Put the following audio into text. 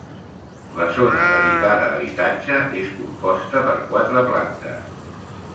La zona dedicada a habitatge és composta per quatre plantes.